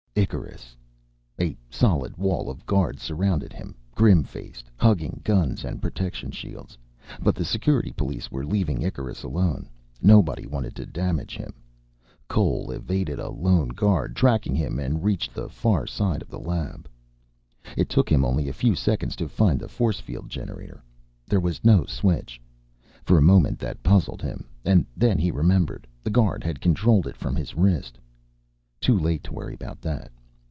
Icarus! A solid wall of guards surrounded him, grim faced, hugging guns and protection shields. But the Security police were leaving Icarus alone. Nobody wanted to damage him. Cole evaded a lone guard tracking him and reached the far side of the lab. It took him only a few seconds to find the force field generator. There was no switch. For a moment that puzzled him and then he remembered. The guard had controlled it from his wrist. Too late to worry about that.